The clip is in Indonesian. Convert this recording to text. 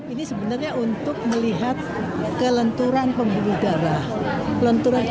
ini sebenarnya untuk melihat kelenturan pembuluh darah